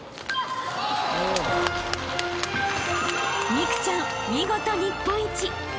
［美空ちゃん見事日本一］